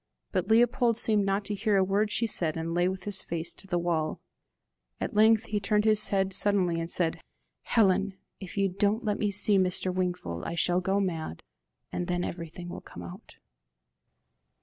But Leopold seemed not to hear a word she said, and lay with his face to the wall. At length he turned his head suddenly, and said, "Helen, if you don't let me see Mr. Wingfold, I shall go mad, and then everything will come out."